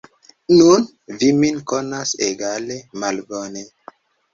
Nun, vi min konas egale malbone.